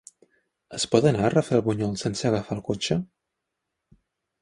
Es pot anar a Rafelbunyol sense agafar el cotxe?